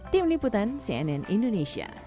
tim liputan cnn indonesia